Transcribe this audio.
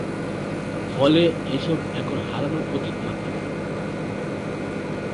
ফলে এসব এখন হারানো অতীত মাত্র।